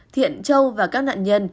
thiện châu và các nạn nhân